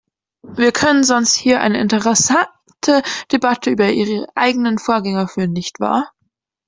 Wir können sonst hier eine interessante Debatte über Ihre eigenen Vorgänger führen, nicht wahr?